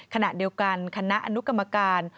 ขณะเดียวกันคณะอนุกรรมการ